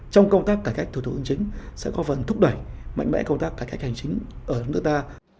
trong công tác cải cách thủ tục hành chính sẽ có phần thúc đẩy mạnh mẽ công tác cải cách hành chính ở nước ta